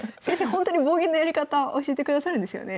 ほんとに棒銀のやり方教えてくださるんですよね？